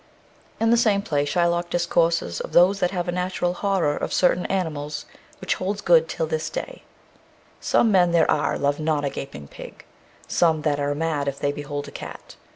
In the same play Shylock discourses of those that have a natural horror of certain animals, which holds good till this day: Some men there are love not a gaping pig, Some, that are mad if they behold a cat.